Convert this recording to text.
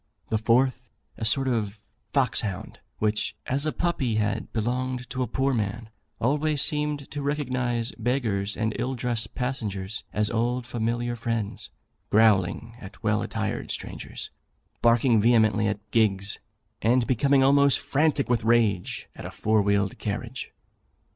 The fourth, a sort of fox hound, which, as a puppy, had belonged to a poor man, always seemed to recognise beggars and ill dressed passengers as old familiar friends, growling at well attired strangers, barking vehemently at gigs, and becoming almost frantic with rage at a four wheeled carriage.